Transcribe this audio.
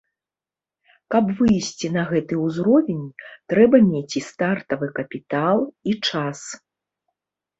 Каб выйсці на гэты ўзровень трэба мець і стартавы капітал, і час.